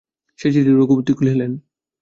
সে চিঠি রঘুপতি খুলিলেন।